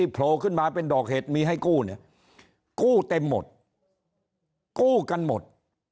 โผล่ขึ้นมาเป็นดอกเห็ดมีให้กู้เนี่ยกู้เต็มหมดกู้กันหมด